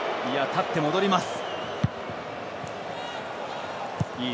立って戻ります。